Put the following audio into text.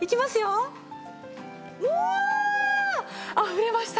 あふれました。